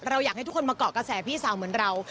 อยากให้ทุกคนมาเกาะกระแสพี่สาวเหมือนเรา